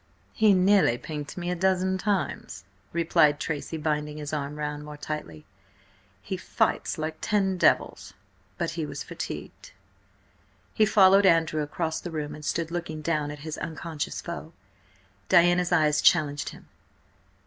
"He nearly pinked me a dozen times," replied Tracy, binding his arm round more tightly. "He fights like ten devils. But he was fatigued." He followed Andrew across the room and stood looking down at his unconscious foe. Diana's eyes challenged him.